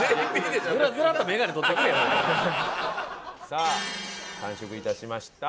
さあ完食致しました。